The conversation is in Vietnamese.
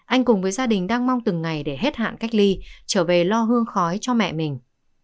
anh cùng với gia đình đang mong từng ngày để hết hạn cách ly trở về lo hương khói cho mẹ mình